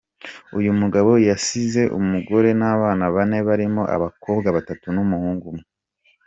Uyu mugabo yasize umugore n’abana bane barimo abakobwa batatu n’umuhungu umwe.